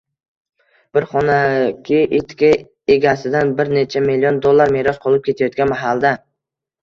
bir xonaki itga egasidan bir necha million dollar meros qolib ketayotgan mahalda